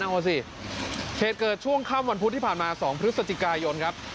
เอาสิเทศเกิดช่วงข้ามวันพุธที่ผ่านมาสองพฤษจิกายนครับ